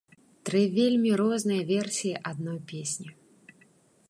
Тры вельмі розныя версіі адной песні.